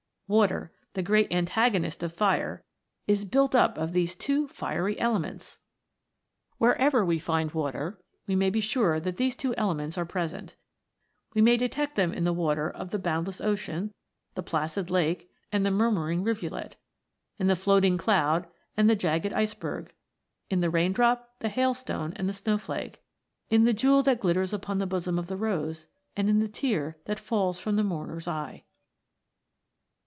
Water, the great antagonist of Fire, is built up of these two fieiy elements ! Wherever we find Water we may be sure that these two elements are present. We may detect 44 THE FOUR ELEMENTS, them in the water of the boundless ocean, the placid lake, and the murmuring rivulet j in the floating cloud and the jagged iceberg ; in the rain drop, the hailstone, and the snow flake ; in the jewel that glitters upon the bosom of the rose, and in the tear that falls from the mourner's eye